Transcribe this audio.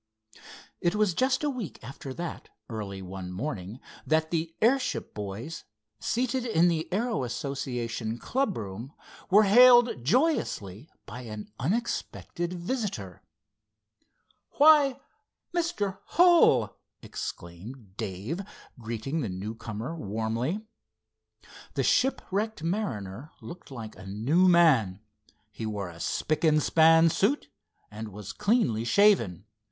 It was just a week after that, early one morning, that the airship boys, seated in the aero association club room, were hailed joyously by an unexpected visitor. "Why, Mr. Hull!" exclaimed Dave, greeting the newcomer warmly. The shipwrecked mariner looked like a new man. He wore a spick and span suit, and was cleanly shaven.